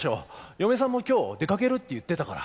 嫁さんも今日出かけるって言ってたから。